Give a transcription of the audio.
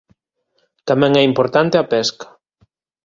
Tamén é importante a pesca.